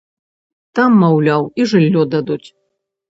Там, маўляў, і жыллё дадуць.